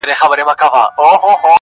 سپینه ورځ یې توره شپه لیده په سترګو-